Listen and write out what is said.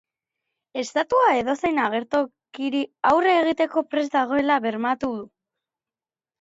Estatua edozein agertokiri aurre egiteko prest dagoela bermatu du.